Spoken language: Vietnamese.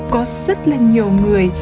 có rất là nhiều người